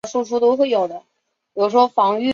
大概是来不及了